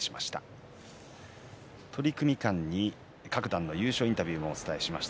取組間に各段の優勝力士のインタビューをお伝えしました。